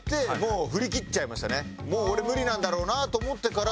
もう俺無理なんだろうなと思ってから。